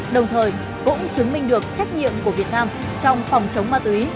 đồng thời cũng chứng minh được trách nhiệm của việt nam trong phòng chống ma túy